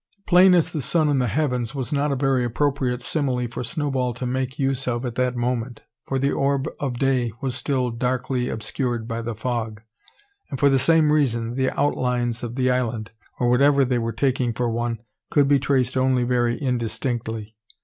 "Plain as the sun in the heavens," was not a very appropriate simile for Snowball to make use of at that moment; for the orb of day was still darkly obscured by the fog; and for the same reason, the outlines of the island, or whatever they were taking for one, could be traced only very indistinctly.